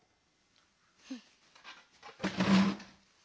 うん。